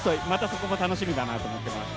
そこも楽しみだなと思ってます。